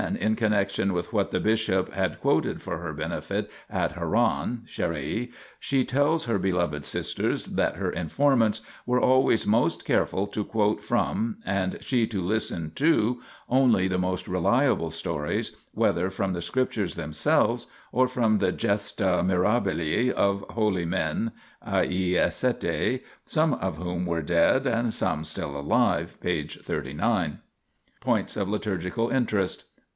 INTRODUCTION xxxvii quoted for her benefit at Haran (Charrae), she tells her beloved sisters that her informants were always most careful to quote from and she to listen to only the most reliable stories, whether from the scriptures themselves or from the gesta mirabilia of holy men (i. e. ascetae}? some of whom were dead and some still alive (p. 39). 10. POINTS OF LITURGICAL INTEREST 1.